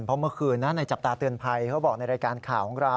เพราะเมื่อคืนนะในจับตาเตือนภัยเขาบอกในรายการข่าวของเรา